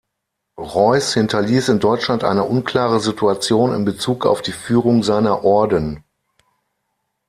Reuß hinterließ in Deutschland eine unklare Situation in Bezug auf die Führung seiner Orden.